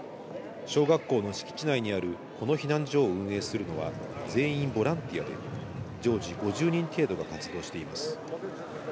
小学校の敷地内にあるこの避難所を運営するのは、全員ボランティアで、常時５０人程度が活動しています。